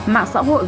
mạng xã hội